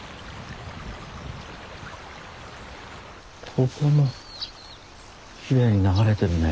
ここもきれいに流れてるね。